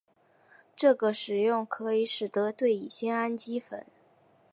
这个作用可以使得对乙酰氨基酚。